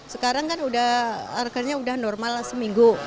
sekarang kan harganya udah normal seminggu